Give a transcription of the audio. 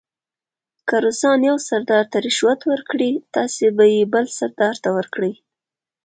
که روسان یو سردار ته رشوت ورکړي تاسې به یې بل سردار ته ورکړئ.